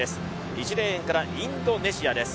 １レーンからインドネシアです。